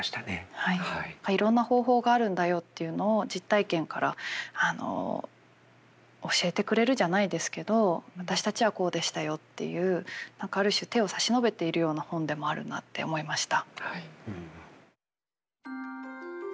いろんな方法があるんだよっていうのを実体験から教えてくれるじゃないですけど私たちはこうでしたよっていうある種手を差し伸べているような本でもあるなって思いました。